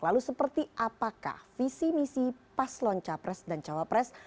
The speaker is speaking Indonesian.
lalu seperti apakah visi misi pas loncah pres dan calon pres